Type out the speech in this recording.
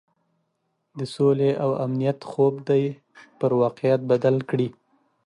د سولې او امنیت خوب دې پر واقعیت بدل کړي.